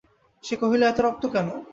সে কহিল, এত রক্ত কেন!